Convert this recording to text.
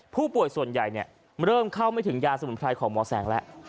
ผู้ป่วยส่วนใหญ่เริ่มเข้าไม่ถึงยาสมุนไพรของหมอแสงแล้ว